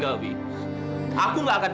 ibu kandung kamu ndre